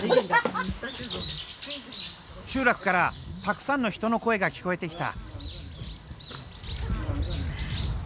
集落からたくさんの人の声が聞こえてきた。